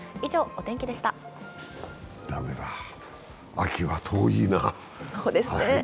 秋は遠いな。